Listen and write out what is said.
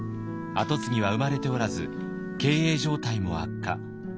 後継ぎは生まれておらず経営状態も悪化。